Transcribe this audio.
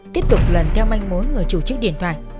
tiếp tục lận theo manh mối người chủ chức điện thoại